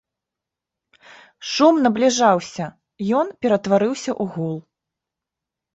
Шум набліжаўся, ён ператварыўся ў гул.